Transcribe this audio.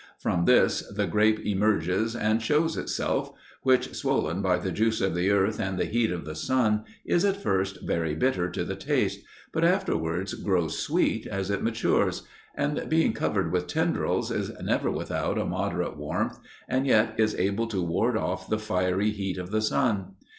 From this the grape emerges and shows itself; which, swollen by the juice of the earth and the heat of the sun, is at first very bitter to the taste, but afterwards grows sweet as it matures; and being covered with tendrils is never without a moderate warmth, and yet is able to ward off the fiery heat of the sun.